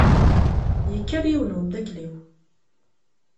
Yekker yiwen n umdakel-iw.